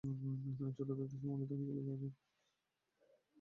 ছোট থাকতে সে অপমানিত হয়েছিল আর তার মাথা নিয়ে অনিরাপত্তায় ভুগছিল।